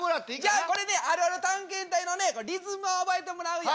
じゃあこれねあるある探検隊のねリズムを覚えてもらうよ。